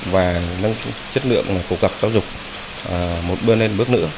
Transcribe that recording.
và nâng chất lượng cổ cập giáo dục một bước lên một bước nữa